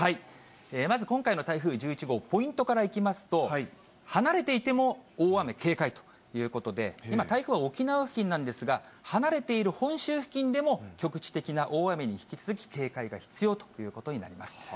まず今回の台風１１号、ポイントからいきますと、離れていても大雨警戒ということで、今、台風は沖縄付近なんですが、離れている本州付近でも、局地的な大雨に引き続き、警戒が必要ということになります。